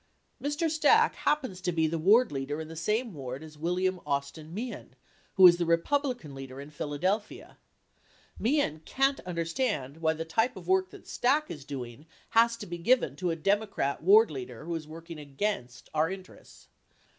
Mr. Stack happens to be the ward leader in the same ward as William Austin Meehan, who is the Republican leader in Philadelphia, Meehan can't under stand why the type of work that Stack is doing has to be given to a Democrat ward leader who is working against our inter ests.